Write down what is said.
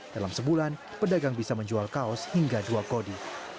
dalam sebulan pedagang bisa menjual kaos hingga dua kodi